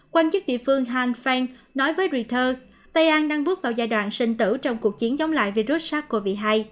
quan chức địa phương han feng nói với reuters tây an đang bước vào giai đoạn sinh tử trong cuộc chiến chống lại virus sars cov hai